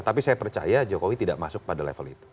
tapi saya percaya jokowi tidak masuk pada level itu